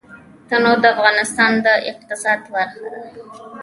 تنوع د افغانستان د اقتصاد برخه ده.